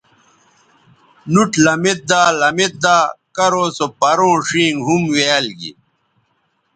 نُوٹ لمیدا لمیدا کرو سو پروں ݜینگ ھُمویال گی